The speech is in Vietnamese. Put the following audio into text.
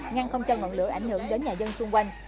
ngăn không cho ngọn lửa ảnh hưởng đến nhà dân xung quanh